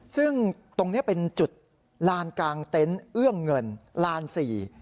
ซึ่งตรงนี้เป็นจุดลานกลางเต็นต์เอื้อมเงินลานสี่